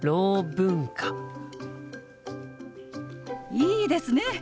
いいですね！